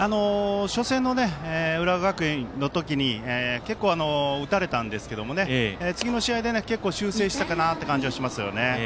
初戦の浦和学院の時に結構、打たれたんですけれどもね次の試合で修正したかなという感じはします。